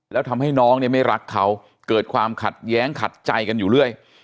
แล้วทำให้น้องเนี่ยไม่รักเขาเกิดความขัดแย้งขัดใจกันอยู่เรื่อย